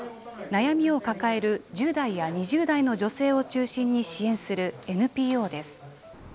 悩みを抱える１０代や２０代の女性を中心に支援するＮＰＯです。